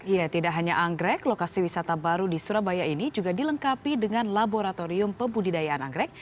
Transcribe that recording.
ya tidak hanya anggrek lokasi wisata baru di surabaya ini juga dilengkapi dengan laboratorium pembudidayaan anggrek